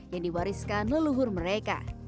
yang diwariskan leluhur mereka